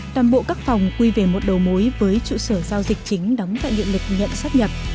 toàn bộ các phòng quy về một đầu mối với trụ sở giao dịch chính đóng tại điện lực nhận sắp nhập